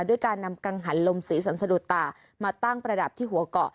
ด้วยการนำกังหันลมสีสันสะดุดตามาตั้งประดับที่หัวเกาะ